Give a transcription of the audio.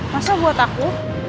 masa buat aku